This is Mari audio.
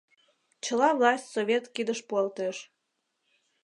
Чыла власть Совет кидыш пуалтеш.